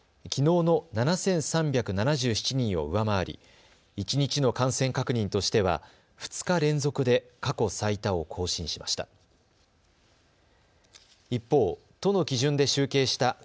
きのうの７３７７人を上回り、一日の感染確認としては２日連続で過去最多を更新しました。